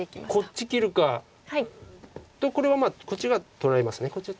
こっち切るか。とこれはこっちが取られます。